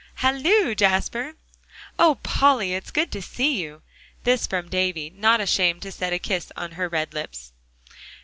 "Halloo, Jasper!" "Oh, Polly! it's good to see you!" This from Davie, not ashamed to set a kiss on her red lips.